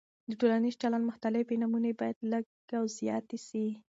د ټولنیز چلند مختلفې نمونې باید لږې او زیاتې سي.